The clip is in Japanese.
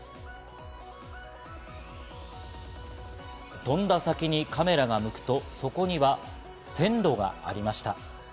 飛んだ先にカメラが向くと、そこには線路がありました。